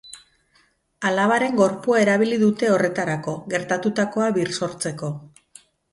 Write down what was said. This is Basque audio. Alabaren gorpua erabili dute horretarako, gertatutakoa birsortzeko.